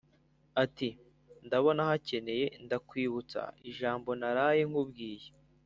Ati: ndabona hakeyeNdakwibutsa ijamboNaraye nkubwiye